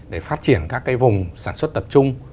để phát triển các cái vùng sản xuất tập trung